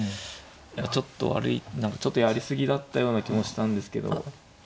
ちょっと悪い何かちょっとやり過ぎだったような気もしたんですけど。